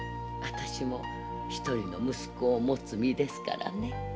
私もひとりの息子を持つ身ですからね。